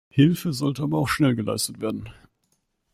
Hilfe sollte aber auch schnell geleistet werden.